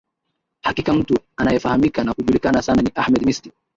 hakika mtu anayefahamika na kujulikana sana ni ahmed misti